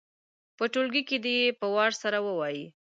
په ټولګي کې دې یې په وار سره ووايي.